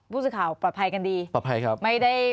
ผู้สึกข่าวปลอดภัยกันดี